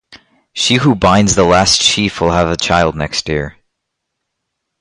She who binds the last sheaf will have a child next year.